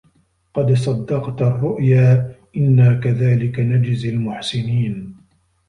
قَد صَدَّقتَ الرُّؤيا إِنّا كَذلِكَ نَجزِي المُحسِنينَ